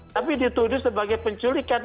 tapi dituduh sebagai penculikan